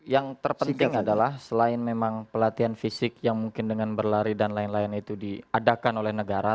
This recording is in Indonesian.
yang terpenting adalah selain memang pelatihan fisik yang mungkin dengan berlari dan lain lain itu diadakan oleh negara